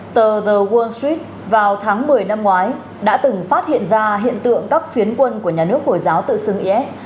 tờ the world street vào tháng một mươi năm ngoái đã từng phát hiện ra hiện tượng các phiến quân của nhà nước hồi giáo tự xưng is